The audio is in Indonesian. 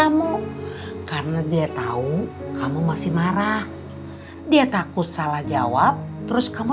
mungkin dia takut mau diangkat telepon kamu